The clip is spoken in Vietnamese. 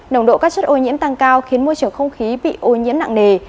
nồng độ các chất ô nhiễm tăng cao khiến môi trường không khí bị ô nhiễm nặng nề